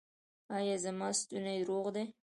ایا زما ستونی روغ دی؟